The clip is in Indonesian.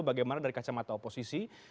bagaimana dari kacamata oposisi